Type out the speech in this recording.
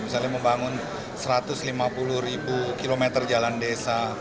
misalnya membangun satu ratus lima puluh ribu kilometer jalan desa